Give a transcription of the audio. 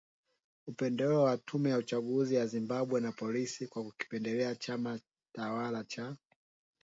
upendeleo wa tume ya uchaguzi ya Zimbabwe, na polisi kwa kukipendelea chama tawala cha